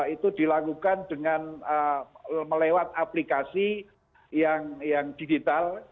itu dilakukan dengan melewat aplikasi yang digital